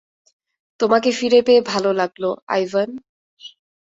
তোমাকে ফিরে পেয়ে ভালো লাগলো, আইভান।